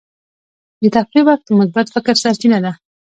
د تفریح وخت د مثبت فکر سرچینه ده.